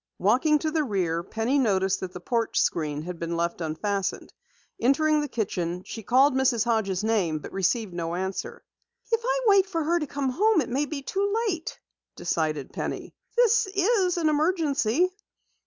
Walking to the rear, Penny noticed that the porch screen had been left unfastened. Entering the kitchen, she called Mrs. Hodges' name but received no answer. "If I wait for her to come home it may be too late," decided Penny. "This is an emergency."